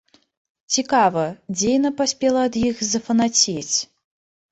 Цікава, дзе яна паспела ад іх зафанацець?